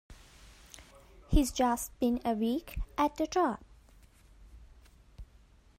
He’s just been a week at the job.